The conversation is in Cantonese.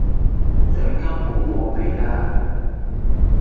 獎金好禾味架!